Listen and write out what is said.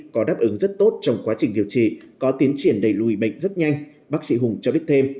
có đáp ứng rất tốt trong quá trình điều trị có tiến triển đầy lùi bệnh rất nhanh bác sĩ hùng cho biết thêm